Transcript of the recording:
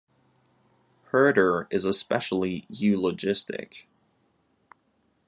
Herder is especially eulogistic.